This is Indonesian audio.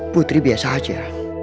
putri biasa aja